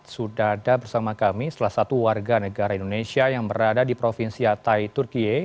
sudah ada bersama kami salah satu warga negara indonesia yang berada di provinsi atay turkiye